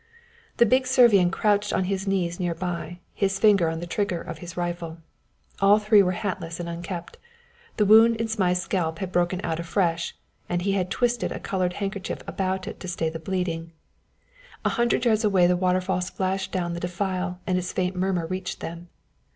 The big Servian crouched on his knees near by, his finger on the trigger of his rifle. All three were hatless and unkempt. The wound in Zmai's scalp had broken out afresh, and he had twisted a colored handkerchief about it to stay the bleeding. A hundred yards away the waterfall splashed down the defile and its faint murmur reached them.